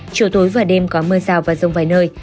chiều tối và đêm có mưa rào và rông vài nơi